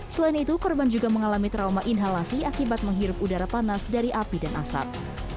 selain itu korban juga mengalami trauma inhalasi akibat menghirup udara panas dari api dan asap